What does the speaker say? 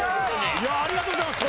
ありがとうございます！